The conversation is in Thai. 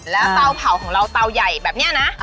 แล้วเตาเผาของเราเตาใหญ่แบบนี้นะ